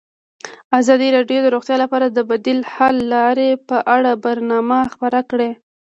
ازادي راډیو د روغتیا لپاره د بدیل حل لارې په اړه برنامه خپاره کړې.